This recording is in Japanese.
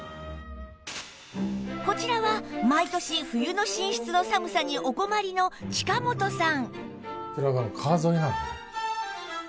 こちらは毎年冬の寝室の寒さにお困りの近本さん